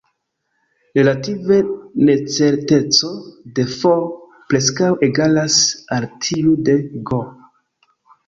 Relativa necerteco de "F" preskaŭ egalas al tiu de "G".